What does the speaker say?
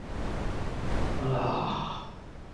啊～